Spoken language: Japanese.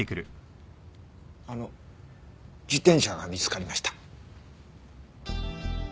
あの自転車が見つかりました。